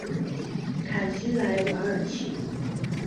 坎西莱瓦尔齐。